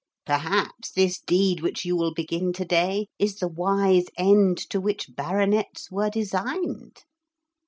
Perhaps this deed which you will begin to day is the wise end to which baronets were designed.'